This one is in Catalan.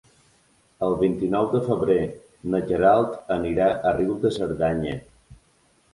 El vint-i-nou de febrer na Queralt anirà a Riu de Cerdanya.